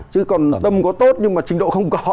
chứ còn ở tâm có tốt nhưng mà trình độ không có